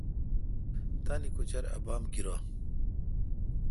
تان کوچر ابام گیرو۔